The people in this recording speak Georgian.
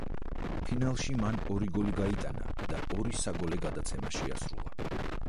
ფინალში მან ორი გოლი გაიტანა და ორი საგოლე გადაცემა შეასრულა.